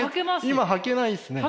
今はけないですね。